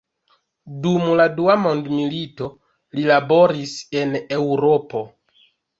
Dum la dua mondmilito li laboris en Eŭropo.